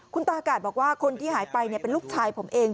คุณตากาศบอกว่าคนที่หายไปเป็นลูกชายผมเอง